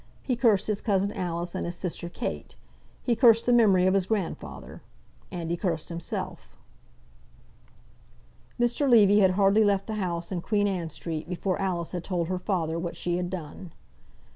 He cursed his cousin Alice and his sister Kate. He cursed the memory of his grandfather. And he cursed himself. Mr. Levy had hardly left the house in Queen Anne Street, before Alice had told her father what she had done.